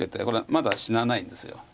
これはまだ死なないんです。